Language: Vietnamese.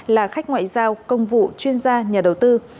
là khách ngoại giao công vụ chuyên gia nhà đầu tư